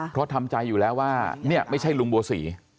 เพราะทำใจอยู่แล้วว่าเนี่ยไม่ใช่ลุงบัวศรี